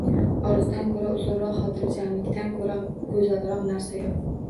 Orzudan ko‘ra uzunroq, xotirjamlikdan ko‘ra go‘zalroq narsa yo‘q.